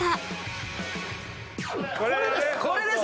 これです！